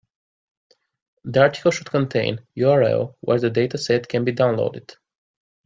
The article should contain URL where the dataset can be downloaded.